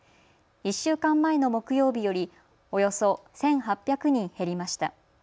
１週間前の木曜日よりおよそ１８００人減りました。